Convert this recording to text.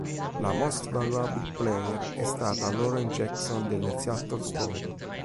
La "Most Valuable Player" è stata Lauren Jackson delle Seattle Storm.